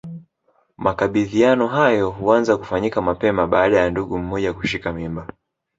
Makabidhiano hayo huanza kufanyika mapema baada ya ndugu mmoja kushika mimba